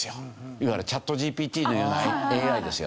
いわゆるＣｈａｔＧＰＴのようなＡＩですよね。